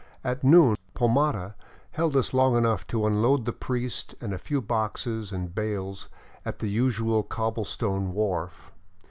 At noon Pomata held us long enough to unload the priest and a few boxes and bales at the usual cobblestone wharf.